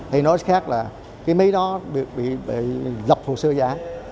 hay nói khác là cái máy đó bị lập hồ sơ giá